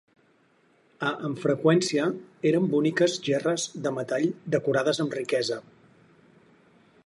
A amb freqüència, eren boniques gerres de metall decorades amb riquesa.